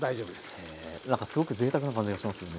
へえなんかすごくぜいたくな感じがしますよね。